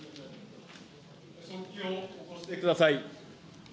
速記を起こしてください。